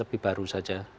lebih baru saja